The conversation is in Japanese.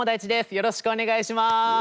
よろしくお願いします！